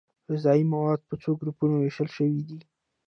غذايي مواد په څو ګروپونو ویشل شوي دي